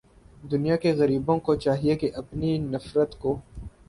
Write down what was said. دنیا کے غریبوں کو چاہیے کہ اپنی نفرت کو